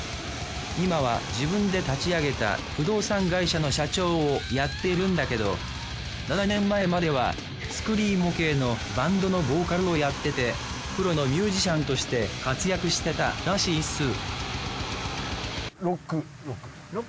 今は自分で立ち上げた不動産会社の社長をやっているんだけど７年前まではスクリーモ系のバンドのボーカルをやっててプロのミュージシャンとして活躍してたらしいっすへぇ。